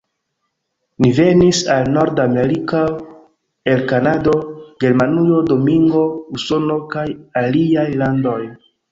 Ni venis al Nord-Ameriko el Kanado, Germanujo, Domingo, Usono, kaj aliaj landoj.